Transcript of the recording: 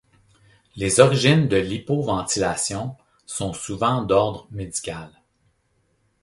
Les origines de l'hypoventilation sont souvent d'ordre médical.